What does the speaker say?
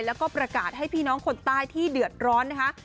แล้วก็ประกาศให้พี่น้องคนใต้ที่เดือดร้อนนะคะ